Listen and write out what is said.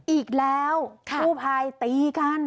อีกแล้วกู้ภัยตีกัน